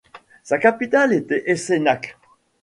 Sa capitale était Eisenach.